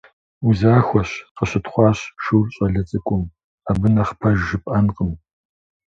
Узахуэщ,- къыщытхъуащ шур щӏалэ цӏыкӏум. - Абы нэхъ пэж жыпӏэнкъым.